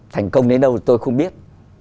thành công đến đâu tôi không biết